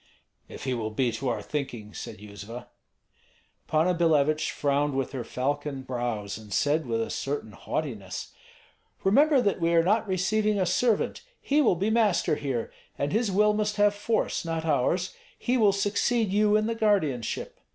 "If he will be to our thinking," said Yuzva. Panna Billevich frowned with her falcon brows, and said with a certain haughtiness: "Remember that we are not receiving a servant. He will be master here; and his will must have force, not ours. He will succeed you in the guardianship."